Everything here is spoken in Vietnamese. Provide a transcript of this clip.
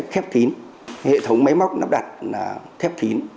khép tín hệ thống máy móc nắp đặt là khép tín